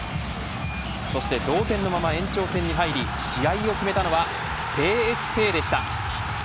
そして同点のまま延長戦に入り試合を決めたのはＰＳＶでした。